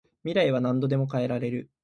未来は何度でも変えられる